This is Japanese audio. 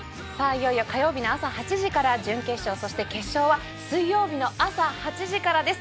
いよいよ火曜日の朝８時から準決勝そして決勝は水曜日の朝８時からです。